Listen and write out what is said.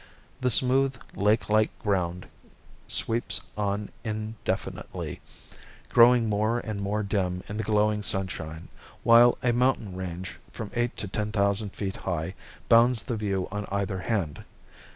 The smooth lake like ground sweeps on indefinitely, growing more and more dim in the glowing sunshine, while a mountain range from eight to ten thousand feet high bounds the view on either hand.